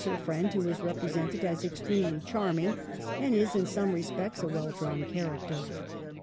221 her friend, who is represented as extremely charming, and is in some respects a well drawn character.